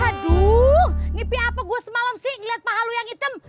aduh nyepi apa gue semalam sih ngeliat pahalu yang hitam